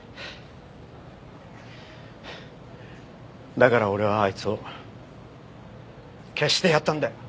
だから俺はあいつを消してやったんだよ。